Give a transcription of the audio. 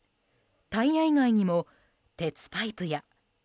タイヤ以外にも鉄パイプや。